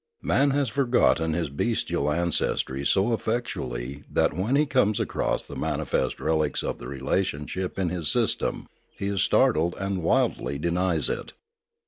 Man has forgotten his bestial ancestry so effectually that when he comes across the manifest relics of the relationship in his system, he is startled and wildly denies it.